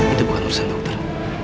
itu bukan urusan dokter